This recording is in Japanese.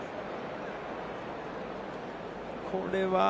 これは。